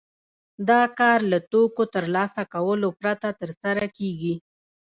دا کار له توکو ترلاسه کولو پرته ترسره کېږي